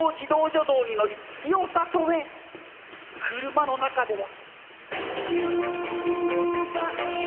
車の中では。